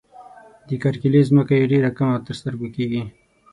د کرکيلې ځمکه یې ډېره کمه تر سترګو کيږي.